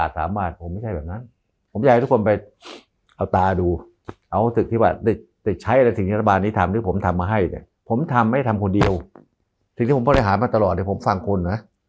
ผมทำมาให้ผมทำไม่ได้ทำคนเดียวสิ่งที่ผมก็ได้หามาตลอดผมฟังคนนะ